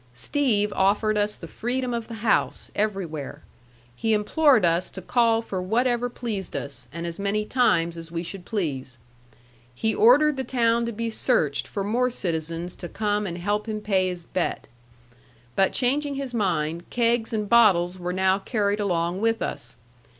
Steve offered us the freedom of the house, everywhere. He implored us to call for whatever pleased us, and as many times as we should please. He ordered the town to be searched for more citizens to come and help him pay his bet. But changing his mind, kegs and bottles were now carried along with us.